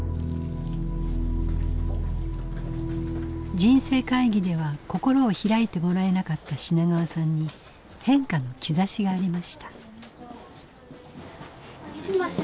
人生会議では心を開いてもらえなかった品川さんに変化の兆しがありました。